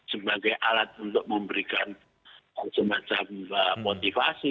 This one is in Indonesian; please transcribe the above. sebagai alat untuk memberikan semacam motivasi